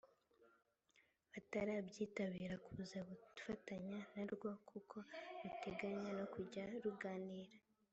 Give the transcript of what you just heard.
batarabyitabira kuza gufatanya narwo kuko ruteganya no kujya ruganira